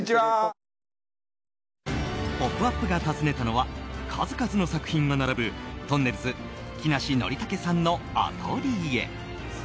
「ポップＵＰ！」が訪ねたのは数々の作品が並ぶとんねるず・木梨憲武さんのアトリエ。